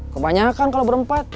kebanyakan kalau berempat